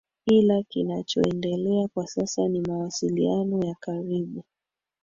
ila kinachoendelea kwa sasa ni mawasiliano ya karibu